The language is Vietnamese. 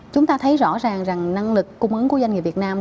chúng ta thấy rõ ràng rằng năng lực cung ứng của doanh nghiệp việt nam